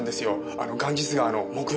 あのガンジス川の沐浴。